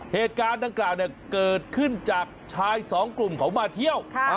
เหตุการณ์ดังกล่าวเกิดขึ้นจากชายสองกลุ่มเขามาเที่ยว